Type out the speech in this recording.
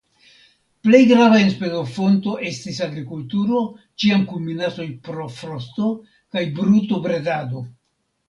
Plej grava enspezofonto estis agrikulturo (ĉiam kun minacoj pro frosto) kaj brutobredado.